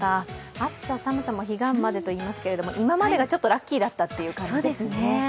暑さ寒さも彼岸までといいますけど、今までがちょっとラッキーだったんですね。